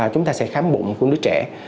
chúng ta sẽ khám bụng của đứa trẻ